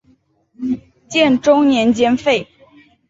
建中年间废。